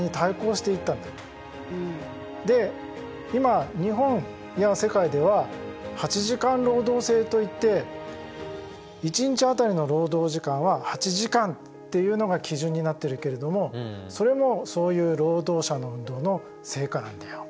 で今日本や世界では８時間労働制といって一日当たりの労働時間は８時間っていうのが基準になっているけどもそれもそういう労働者の運動の成果なんだよ。